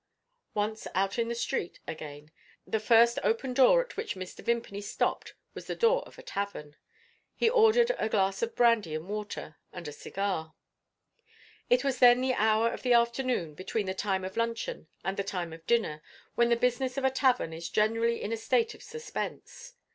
Once out in the streets again, the first open door at which Mr. Vimpany stopped was the door of a tavern. He ordered a glass of brandy and water, and a cigar. It was then the hour of the afternoon, between the time of luncheon and the time of dinner, when the business of a tavern is generally in a state of suspense.